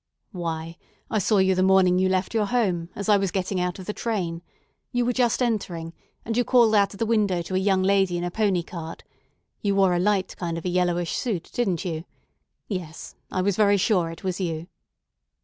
"Why, I saw you the morning you left your home, as I was getting out of the train. You were just entering, and you called out of the window to a young lady in a pony cart. You wore a light kind of a yellowish suit, didn't you? Yes, I was very sure it was you."